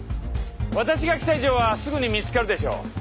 私が来た以上はすぐに見つかるでしょう。